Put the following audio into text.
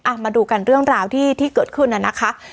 มาดูกันเรื่องราวที่เกิดขึ้นน่ะนะคะ